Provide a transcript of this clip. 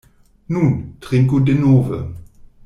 Nun, trinku denove.